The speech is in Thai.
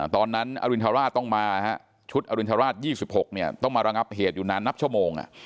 ตอนนั้นอรินทราชต้องมาชุดอรินทราช๒๖ต้องมาระงับเหตุอยู่นานนับชั่วโมง